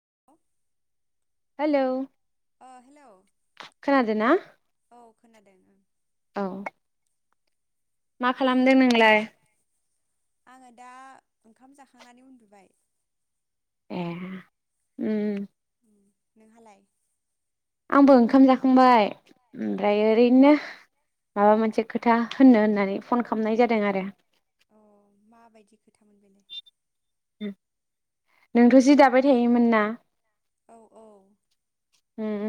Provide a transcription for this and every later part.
[inaudible] हेल' अ हेल' औ खोनादों ओं औ मा खालामदों नोंलाय? आङो दा ओंखाम जाखांनानै उन्दुबाय। ए उम उम नोंहालाय? आंबो ओंखाम जाखांबाय ओमफ्राय अ ओरैनो माबा मोनसे खोथा होननो होननानै फन खालामनाय जादों आरो। अ माबायदि खोथामोन बेलाय? नोंथ' जि दाबाय थायोमोन ना औ औ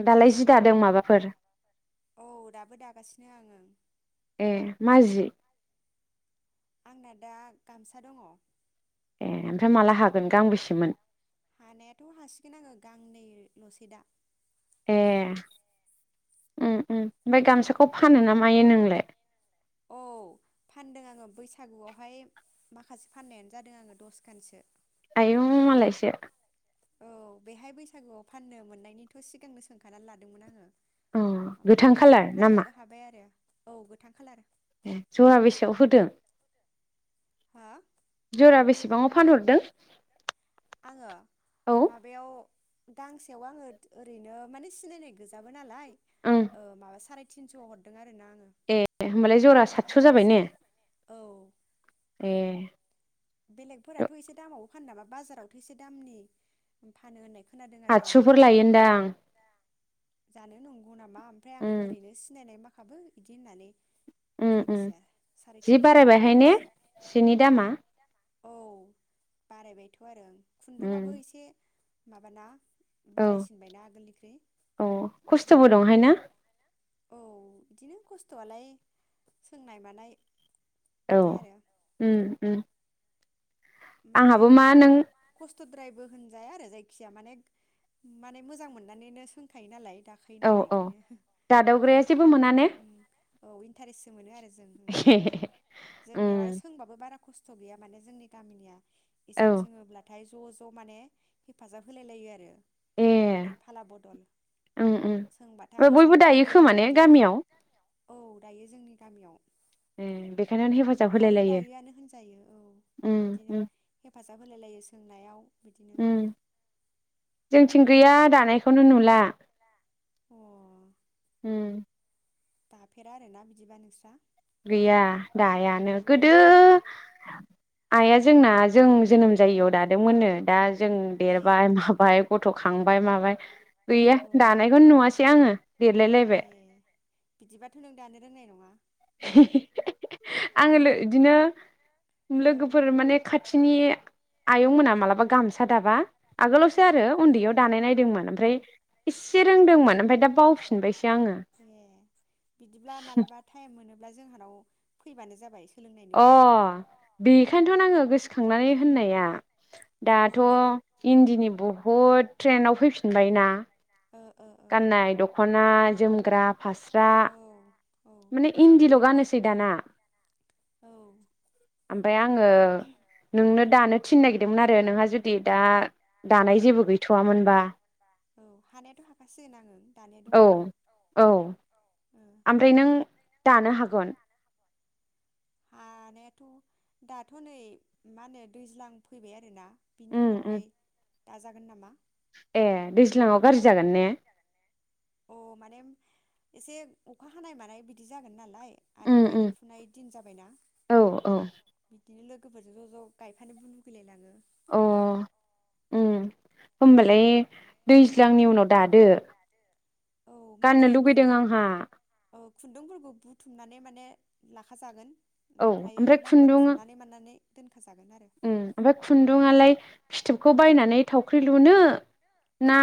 दालाय जि दादों माबाफोर औ दाबो दागासिनो आं ओं ए माजि? आंना दा गामसा दङ। ए ओमफ्राय माला हागोन गांबेसेमोन? हानायाथ' हासिगोन आङो गांनै ल'सै दा। ए ओम ओम। ओमफ्राय गामसाखौ ओमफ्राय फानो ना मायो नोंलाय? बैसागुवावहाय माखासे फाननायानो जादों आङो दसखानसो। आइऔ मालायसो। औ बेहाय बैसागुआव फाननो मोननायनिथ' सिगांनो सोंखानानै लादोंमोन आङो अ गोथां ओमफ्रायो खालार नामा फाननोबो हाबाय आरो। औ गोथां खालार। ए जरा बेसेयाव होदों? हो जरा बेसेबां? फानहरदों। आङो औ माबायाव गांसेयाव आङो ओरैनो माने सिनायनाय गोजाबो नालाय। ओं ओ माबा थिनस' हरदों आरो। ए होमबालाय जरा सातस' जाबाय ने गांसेयाव औ ए। बेलेगफोराथ' एसे दामाव फानोबा बाजाराव एसे दामनि फानो होननाय खोनादों आरो आङो आतस'फोर लायोनदां। जानो दङ नामा ओमफ्राय आं उम ओरैनो सिनाय माखा हाबो बिदि होननानै जायखिजाया साराय जि थिनस' हरबाय आं बारायबायहाय ने गांसेयाव सिनि दामा। औ बारायबायथ' आरो। उम खुन्दुंआबो एसे माबाना औ बारायसिनबायना आगोलनिख्रुइ औ खस्थ'बो दंहाय ना। औ बिदिनो खस्थ'आलाय सोंनाय मानाय औ बिदि आरो उम उम। आंहाबो मा नों द्रायबो होनजाया आरो जायखिजाया माने माने मोजां मोननानैनो सोंखायो नालाय। दाखायो औ नालाय औ बेखायनो दादावग्राया जेबो मोना ने? औ इन्टारेस्ट आरो जों जोंनियाव आरो उम सोंबाबो बारा खस्थ' गैया माने जों गामिनिया औ इसान सोङोब्लाथाय ज' ज' माने हेफाजाब होलाय लायो आरो ए बिदि फाला बदल उम उम ओमफ्राय सोंबाथाय बयबो सानथोर दायो खोमा फैयो ने बिदिनो गामियाव औ दायो जोंनि गामियाव ए बेखायनो हेफाजाब होलाय बयहाबो लायो दायोआनो होनजायो औ उम बिदिनो उम हेफाजाब होलाय लायो सोंनायाव बिदिनो उम जोंथिं गैया दानायखौनो नुला अ ओम दाफेरा आरोना बिदिबा नोंस्रा गैया दायानो गोदो आइया जोंना जों जोनोम ओ जायैयाव दादोंमोननो दा जों ए देरबाय माबाय गथ' खांबाय माबाय औ गैया औ दानायखौनो नुवासै आङो देरलायलायबाय ए बिदिबाथ' नों दानो रोंनाय नङा आङो बिदिनो ओ लोगोफोर माने खाथिनि आयं मोना मालाबा गामसा दाबा आगोलावसो आरो उन्दैयाव दानाय औ नायदोंमोन औ ओमफ्राय इसे रोंदोंमोन ओमफ्राय दा बावफिनबायसै ए बिदिब्ला मालाबा टाइम मोनोब्ला ब्ला जोंहानाव फैबानो जाबाय अ सोलोंनायनोबा बेखायनोथ' आङो गोसोखांनानै होननाया अ दाथ' उम इन्दिनि उम बहुद ट्रेेन आव फै फिनबाय ना [inaudible] गाननाय दख'ना जोमग्रा फास्रा औ माने इन्दिल' गानोसै सिदाना औ ओ ओमफ्राय आङो नोंनो दानो थिनो नागिरदोंमोन आरो नोंहा जुदि दा दानाय औ जेबो गैथ'वामोनबा हानायाथ' हाखासिगोन आङो दानिया औ दंबाबो औ ओ ओमफ्राय नों दानो हागोन हानायाथ' दाथ' नै मा होनो दैज्लां फैबाय आरोना उम बिनि उम उनावहाय दाजागोन नामा ए दैज्लांआव गाज्रि जागोन ने अ माने एसे अखा हानाय मानाय बिदि जागोन नालाय उम आरो उम गायनाय फुनाय दिन जाबायना औ औ बिदिनो [unintelligible] ज' ज' गायफानोबो लुगैलायलाङो। अ ओम होमबालाय दैज्लांनि उनाव दादो औ मा होनो गाननो लुुगैदों बेफोर आंहा। नानै माने लाखा जागोन। औ ओमफ्राय खुन्दुं उम दोनखाजागोन आरो ओमफ्राय खुन्दुङालाय फिथोबखौ बायनानै थावख्रि लुनो ना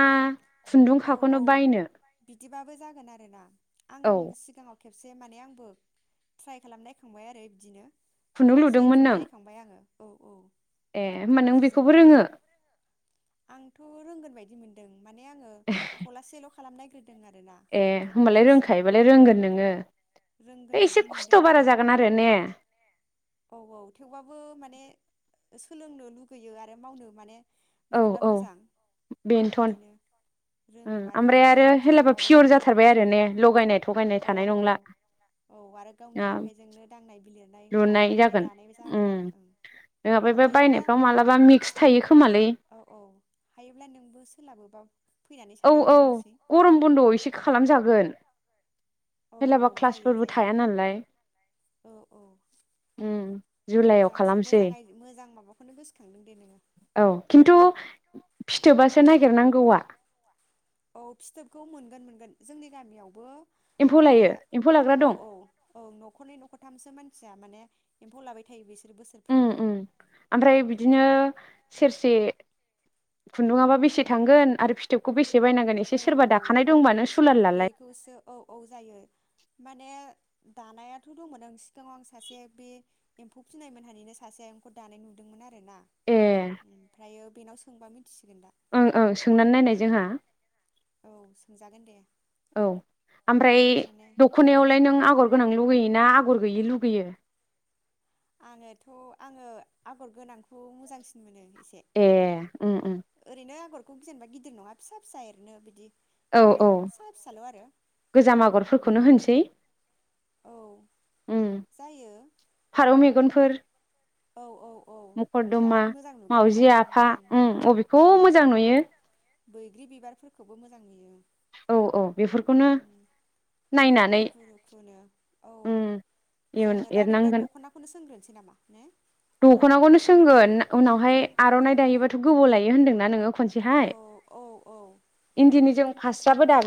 खुन्दुंखाखौनो बायनो दिबाबो जागोन आरो ना। आं औ सिगाङाव खेबसे माने आंबो ट्राइ खालामनायखांबाय आरो बिदिनो। खुन्दुं थलासे लुदोंमोन थुननाय नों नायखांबाय आङो। औ औ ए होमबा नों बेखौबो थावख्रिजोंहाय रोङो? आंथ' रोंगोन बायदि मोनदों। माने आङो थलासेल' खालामनाय ग्रोद ए होमबालाय रोंखायोबालाय रोंगोन नोङो। रोंगोन है एसे बायदि मोनदों खस्थ' आं बारा जागोन आरो ने। औ औ थेवबाबो माने सोलोंनो लुगैयो आरो मावनो माने औ मोनोब्ला औ मोजां बेनोथन बिदिनो रोङोबा आरो ओमफ्राय उनावहायबो बिदिनो हेलाबा माबाबाय पियर थानो हागोन। जाथारबाय आरो ने लगायनाय थगायनाय औ थानाय औ नंला औ आरो गावनि आखाइजोंनो दांनाय लुनाय बानायनानै जागोन दानाय उम जागोन आरो ओं नङाबा बे हायोब्ला बायनायफ्राव मालाबा मिक्स थायो खोमालै औ औ हायोब्ला नोंबो सोलाबोबा फैनानै औ सानैजों औ मावनोसै गरम बन्द'आव एसे खालामजागोन। औ औ सोलाबा जायो क्लासफोरबो जायो थाया नालाय औ औ उम जुलाइआव मोजांसो खालामसै मोजां आइ मोजां माबा खौनो गोसोखांदों दे नोङो। औ खिन्थु फि थोबासो औ नागिरनांगौवा। औ फिथोबखौ मोनगोन मोनगोन जोंनि गामियावबो माने एम्फौ लाग्रा औ दं औ औ न'खरनै न'खरथामसो मानसिया माने एम्फौ लाबाय थायो बिस उम उम ओमफ्राय बिदिनो सेरसे खुन्दुङाबा बेसे थांगोन आरो फिथोबखौ बेसे से बायनांगोन एसे सोरबा औ दाखानाय दंबा नों सुलाद लालाय। बेखौसो औ औ जायो माने दानायाथ' दंमोन ओं सिगाङाव आं सासे बे एम्फौ फिसिनायमोनहानिनो सासे आयंखौ दानाय नुदोंमोन आ रो ना ए ओमफ्रायो बेनाव सो सोंबा मिथिसिगोन दा ओं ओं सोंनानै नायनाय जोंहा औ सोंजागोन दे औ आमफ्राय माने दख'नायावलाय नों आगर गोनां लुगैयोना आगर गैयै लुगैयो। आङोथ' आङो आगर गोनांखौ मोजांसिन मोनो। एसे ए उम उम। बेखौ जेनबा गिदिर नङा फिसा फिसा एरनो बिदि। औ ओरैनो औ फिसा फिसाल' आरो बिदि गोजाम आगरफोरखौनो होनसै। औ उम जायो फारौ मेगनफोर। औ औ मखरदमा बिराद मोजां नुगोन मावउजि फारौ मेगनखौ आफा दों उम अबेखौ औ मोजां नुयो। बैग्रि बिबारफोरखौबो मोजां नुयो। औ औ बेफोरखौनो। नायनानै रुखु रुखुनो औ उम इयुन जोङो दा बिदिबा एरनांगोन दख'नाखौनो सोंग्रोनोसै नामा ने। दख'नाखौनो सोंगोन उनावहाय आर'नाइ दायोबाथ' गोबाव लायो होन्दोंना नोङो खनसे औ ज औ औ [unintelligible] इन्दिनि जोम फास्राबो दा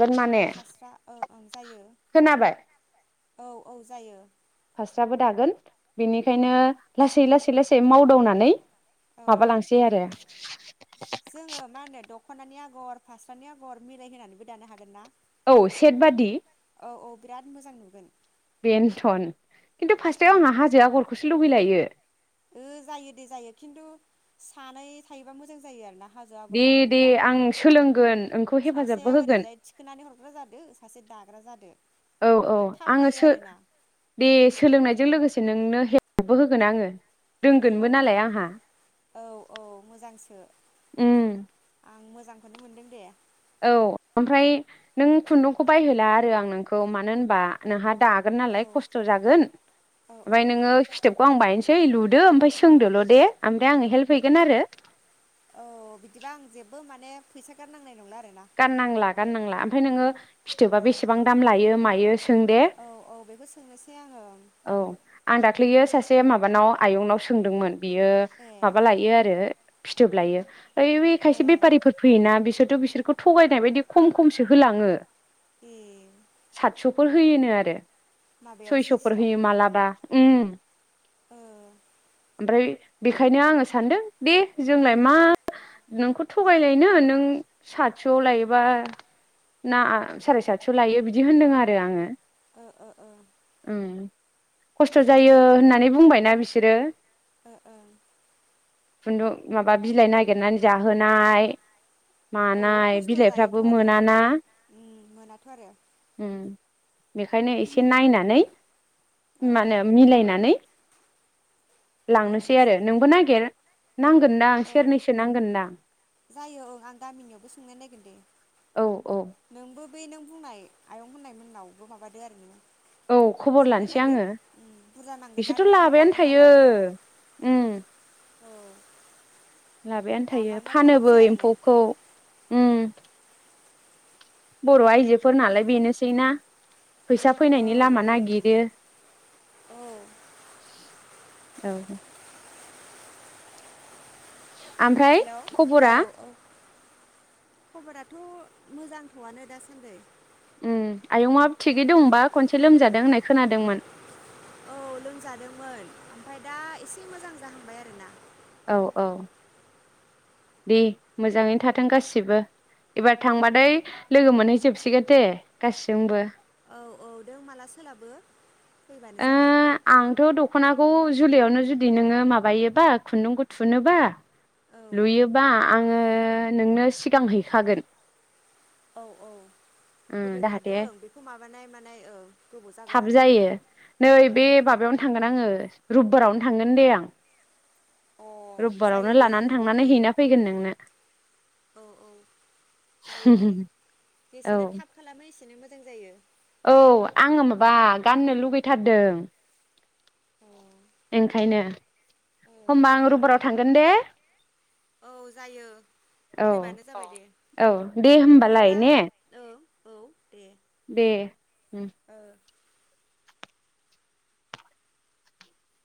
फास्रा ओं ओं जायो खोनाबाय औ औ जायो। फिसाबो दागोन। उम बेनिखायनो लासै लासै। लासै लासै मावदावनानै। औ माबालांसै आरो। [inaudible] जोङो मा होननो द दख'नानि आगर फास्रानिआगर मिराय होनानैबो दानो हागोन ना। औ सेट बादि। औ औ बिराद मोजां नुगोन। बेनथन। खिन्थु औ फास्राआव आंहा हाजो आगरखौसो लुगैलायो। ओ जायो दे जायो खिन्थु सानै थायोबा मोजां जायो आरो ना। हाजो आगर दे दे बानायनोबा आं सोलोंगोन नोंखौ हेफाजाबबो सासेया होगोन ओरैजाय थिखोनानै हरग्रा जादो सासे दाग्रा जादो। औ औ थाब आङो हायो सो आरोना दे सोलोंनायजों लोगोसे। नोंनो हेपबो होगोन आङो। औ रोंगोनबो नालाय आंहा औ औ मोजांसो उम। आं मोजांखौनो मोनदों दे। औ ओमफ्राय नों खुन्दुंखौ बायहोला आरो आं नोंखौ मानो होनबा नोंहा। दागोन औ नालाय खस्थ' जागोन औ औ ओमफ्राय नोङो फिथोब बेखौ आं बायनोसै लुदो ओमफ्राय सोंदोल' दे ओमफ्राय आङो हेल्प हैगोन आरो औ बिदिबा आं जेबो माने फैसा गारनांनाय नंला आरोना कानांला गार नांला ओफ्राय नोङो फिथोबा ओ बेसेबां दाम लायो मायो सों दे। औ औ बेखौ सोंनोसै आङो औ आं दा दाख्लैयो सासे माबानाव आयंनाव सोंदोंमोन। बियो ए माबा लायो आरो फिथोब लायो ओइ बे खायसे ए बेफारिफोर फैयोना बिसोर बिसोरखौ थगायनाय बायदि खम खमसो होलाङो ए अह होयोनो आरो माबायाव सयसफोर होयो मालाबा ओम ओम ओमफ्राय बेखायनो आङो सान्दों दे ओ जोंलाय मा नोंखौ थगायलायनो नों साद तस' लायोबा ना सारि सातस' लायो बिदि होन्दों आरो आङो ओ ओ ओ ओम खस्थ' जायो होननानै बुंबायना बिसोर सोरो ओ ओं खुन्दुं माबा बिलाइ नागिरनानै जाहोनाय मा औ नाय खस्थ' जायोथ' बिलाइफ्राबो आरो मोना ना उम मोनाथ' आरो उम बेखायनो एसे नायनानै औ मा होनो मिलायनानै औ लांनोसै आरो नोंबो नागिर नांगोनदां औ सेरनैसो नांगोनदां थांना नायगोन दे औ औ नों बो बै नों बुंनाय आयं होननाय मोनावबो माबादो आरो नों औ खबर लानोसै आंङो बुरजा नांगोन ना बिसोरथ' दख'ना लाबायानो दागोन थायो नालाय ओम औ लाबायानो थायो दामारनाय फानोबो खालामसै आरो ने एम्फौखौ ओम बर आय फोर नालाय बेनोसैना फैसा औ फैनायनि लामा नागिरो औ औ ओमफ्राय हेलौ खबरा औ औ खबराथ मोजांथआनो दासान्दै आयंआबो थिगै दंबा खनसे लोमजादों होननाय खोनादोंमोन औ लोमजादोंमोन ओमफ्राय दा एसे मोजां जाहांबाय आरोना औ औ दे मोजांङैनो थाथों गासिबो एबार थांबाथाय लोगो मोनहैजोबसिगोन दे गासिजोंबो औ औ नों माला सोलाबो फैबानो ओ जाबाय आंथ' दखनाखौ जुलियावनो जुदि नोंङो माबायोबा खुन्दुंखौ थुनोबा औ लुयोबा आंङो नोंनो सिगां हैखागोन औ औ उम जाहाथे होफैखादों बेखौ माबानाय माने औ गोबाव थाब जागोन आरो जायो नै बे ओं माबायावनो थांगोन आंङो रुबिबारावनो थांगोन दे आं अ जायो रबिबारावनो दे लानानै ओं थांनानै फै हैना फैगोन नोंनो औ औ जायो दे जेसेनो थाब औ खालामो एसेनो मो- जायो औ आंङो माबा गाननो लुबैथारदों अ ओंखायनो ओं होमबा आं रुबबाराव थां- गोन दे औ जायो औ फैबानो जाबाय दे औ दे होमबालाय बिदिब्ला ने औ औ दे दे ओ